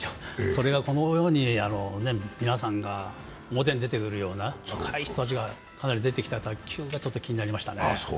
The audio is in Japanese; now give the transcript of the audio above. それがこのように皆さんが表にで来るような、若い人たちが出てくる卓球が気になりましたね。